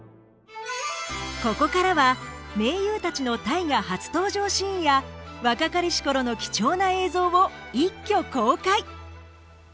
ここからは名優たちの「大河」初登場シーンや若かりし頃の貴重な映像を一挙公開！